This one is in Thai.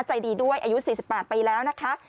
ใจดีด้วยอายุ๔๘ปีแล้วนะคะ